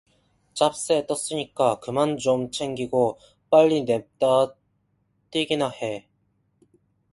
짭새 떴으니까 그만 좀 챙기고 빨리 냅다 튀기나 해.